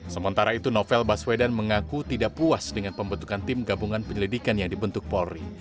sementara itu novel baswedan mengaku tidak puas dengan pembentukan tim gabungan penyelidikan yang dibentuk polri